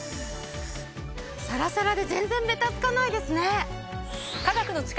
サラサラで全然ベタつかないですね！